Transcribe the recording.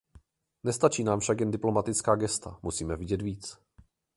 Nestačí nám však jen diplomatická gesta, musíme vidět víc.